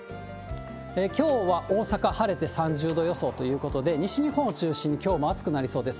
きょうは大阪、晴れて３０度予想ということで、西日本を中心にきょうも暑くなりそうです。